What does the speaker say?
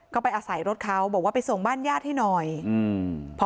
ก็ไปอาศัยรถเขาบอกว่าไปส่งบ้านญาติให้หน่อยอืม